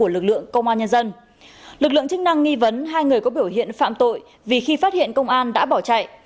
lực lượng chức năng nghi vấn hai người có biểu hiện phạm tội vì khi phát hiện công an đã bỏ chạy